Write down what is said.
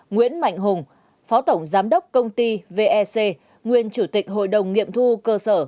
nguyễn mạnh hùng phó tổng giám đốc công ty vec nguyên chủ tịch hội đồng nghiệm thu cơ sở